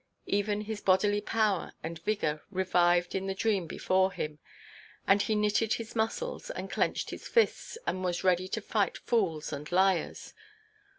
Even his bodily power and vigour revived in the dream before him, and he knitted his muscles, and clenched his fists, and was ready to fight fools and liars.